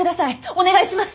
お願いします！